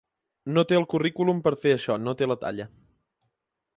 No té el currículum per a fer això, no té la talla.